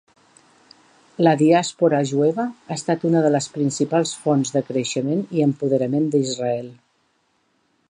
La diàspora jueva ha estat una de les principals fonts de creixement i empoderament d'Israel.